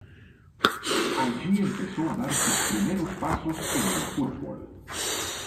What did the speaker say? Allí empezó a dar sus primeros pasos en el fútbol.